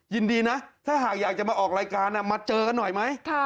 ยินดีนะถ้าหากอยากจะมาออกรายการมาเจอกันหน่อยไหม